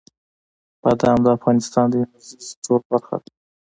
بادام د افغانستان د انرژۍ سکتور برخه ده.